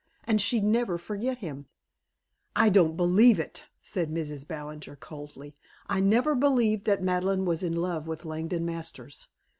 And she'd never forget him." "I don't believe it," said Mrs. Ballinger coldly. "I never believed that Madeleine was in love with Langdon Masters.